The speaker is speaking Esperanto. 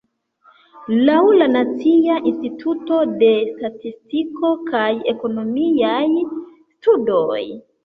Laŭ la Nacia Instituto de Statistiko kaj Ekonomiaj Studoj.